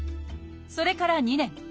それから２年。